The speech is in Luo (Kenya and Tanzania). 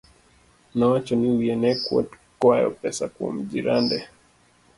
Nowacho ni wiye ne kuot kwayo pesa kuom jirende